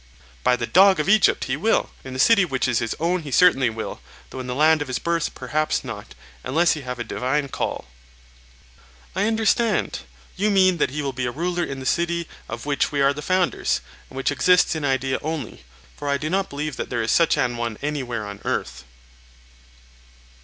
By the dog of Egypt, he will! in the city which is his own he certainly will, though in the land of his birth perhaps not, unless he have a divine call. I understand; you mean that he will be a ruler in the city of which we are the founders, and which exists in idea only; for I do not believe that there is such an one anywhere on earth?